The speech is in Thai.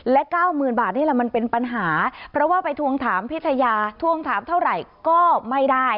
เก้าหมื่นบาทนี่แหละมันเป็นปัญหาเพราะว่าไปทวงถามพิทยาทวงถามเท่าไหร่ก็ไม่ได้